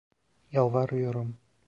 Yalvarıyorum.